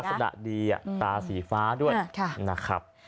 ลักษณะดีตาสีฟ้าด้วยนะครับ